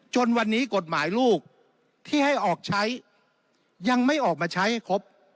จนวันนี้กฎหมายลูกที่ให้ออกใช้ยังไม่ออกมาใช้ให้ครบ